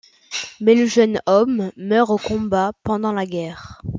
Mais le jeune homme meurt au combat pendant la guerre.